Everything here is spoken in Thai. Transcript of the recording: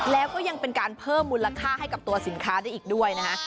แล้วก็ยังเป็นการเพิ่มมูลค่าให้กับตัวสินค้าได้อีกด้วยนะคะ